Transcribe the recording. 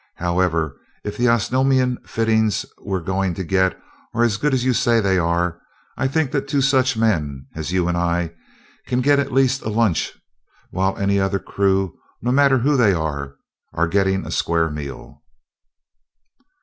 However, if the Osnomian fittings we're going to get are as good as you say they are, I think that two such men as you and I can get at least a lunch while any other crew, no matter who they are, are getting a square meal."